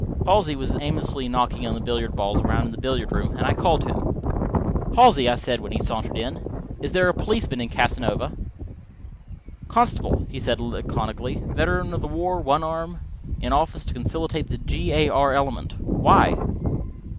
Halsey was aimlessly knocking the billiard balls around in the billiard room, and I called to him. "Halsey," I said when he sauntered in, "is there a policeman in Casanova?" "Constable," he said laconically. "Veteran of the war, one arm; in office to conciliate the G. A. R. element. Why?"